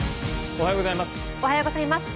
おはようございます。